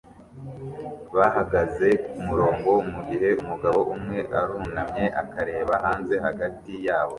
bahagaze kumurongo mugihe umugabo umwe arunamye akareba hanze hagati yabo